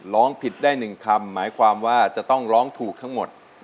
ร้องผิดได้๑คำหมายความว่าจะต้องร้องถูกทั้งหมด